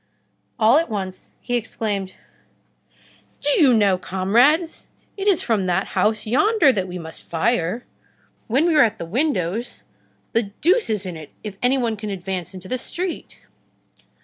All at once he exclaimed:— "Do you know, comrades, it is from that house yonder that we must fire. When we are at the windows, the deuce is in it if any one can advance into the street!"